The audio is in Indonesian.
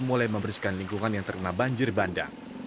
mulai membersihkan lingkungan yang terkena banjir bandang